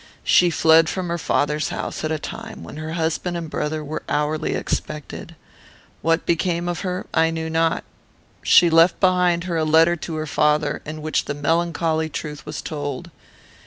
She fled from her father's house at a time when her husband and brother were hourly expected. What became of her I knew not. She left behind her a letter to her father, in which the melancholy truth was told.